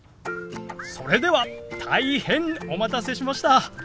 それでは大変お待たせしました。